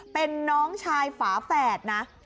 เป็นน้องชายฝาแฝดนะ